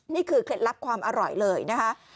เคล็ดลับความอร่อยเลยนะคะ